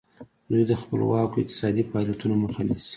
دوی د خپلواکو اقتصادي فعالیتونو مخه نیسي.